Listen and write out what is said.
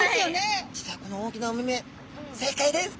実はこの大きなお目々正解です！